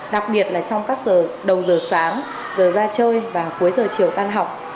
đặc biệt là trong các đầu giờ sáng giờ ra chơi và cuối giờ chiều tan học